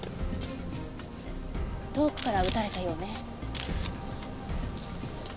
遠くから撃たれたようね。